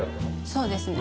そうですね。